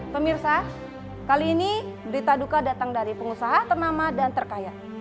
pemirsa kali ini berita duka datang dari pengusaha ternama dan terkaya